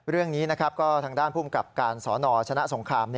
เรื่องนี้นะครับก็ทางด้านภูมิกับการสนชนะสงคราม